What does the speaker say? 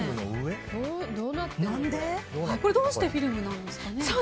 どうしてフィルムなんですか？